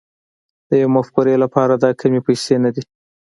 د يوې مفکورې لپاره دا کمې پيسې نه دي.